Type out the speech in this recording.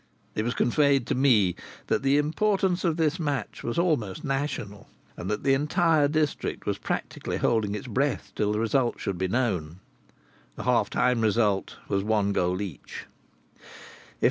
It was conveyed to me that the importance of this match was almost national, and that the entire district was practically holding its breath till the result should be known. The half time result was one goal each.